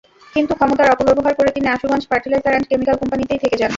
কিন্তু ক্ষমতার অপব্যবহার করে তিনি আশুগঞ্জ ফার্টিলাইজার অ্যান্ড কেমিক্যাল কোম্পানিতেই থেকে যান।